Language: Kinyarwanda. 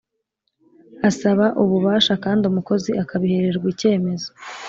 Asaba ububasha kandi umukozi akabihererwa icyemezo